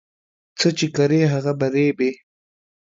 څه چې کرې هغه په رېبې